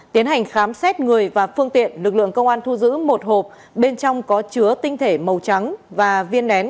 tiến hành khám xét người và phương tiện lực lượng công an thu giữ một hộp bên trong có chứa tinh thể màu trắng và viên nén